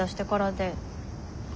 で？